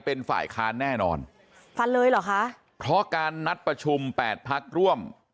เป็นฝ่ายค้านแน่นอนฟันเลยเหรอคะเพราะการนัดประชุมแปดพักร่วม